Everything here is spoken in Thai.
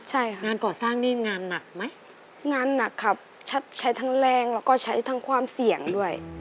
ใช่ค่ะงานก่อสร้างนี่งานหนักไหมงานหนักครับใช้ทั้งแรงแล้วก็ใช้ทั้งความเสี่ยงด้วย